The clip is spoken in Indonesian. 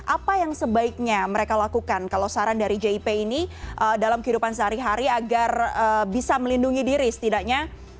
apa yang sebaiknya mereka lakukan kalau saran dari jip ini dalam kehidupan sehari hari agar bisa melindungi diri setidaknya